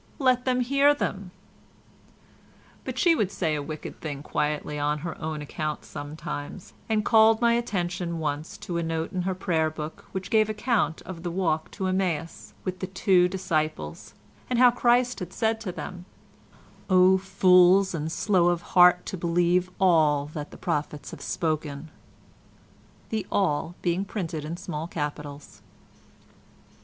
Let them hear them." But she would say a wicked thing quietly on her own account sometimes, and called my attention once to a note in her prayer book which gave account of the walk to Emmaus with the two disciples, and how Christ had said to them "O fools and slow of heart to believe ALL that the prophets have spoken"—the "all" being printed in small capitals.